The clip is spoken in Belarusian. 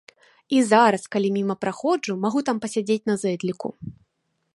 І зараз, калі міма праходжу, магу там пасядзець на зэдліку.